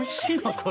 それ。